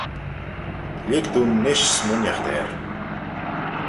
Lhig dooin nish smooinaght er.